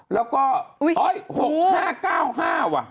แล้วก็๖๕๙๕ว่ะ